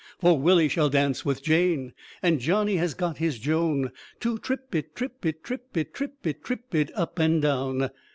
For Willy shall dance with Jane, And Johnny has got his Joan, To trip it, trip it, trip it, trip it, Trip it up and down.